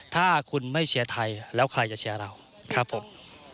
ถ้าคุณไม่เชียร์ไทยแล้วใครจะเชียร์เราครับผม